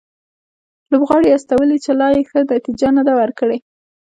لوبغاړي استولي چې لا یې ښه نتیجه نه ده ورکړې